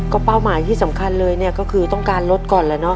ก็เป้าหมายที่สำคัญเลยเนี่ยก็คือต้องการลดก่อนแล้วเนาะ